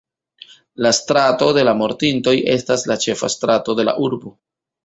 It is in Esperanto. La Strato de la Mortintoj estas la ĉefa strato de la urbo.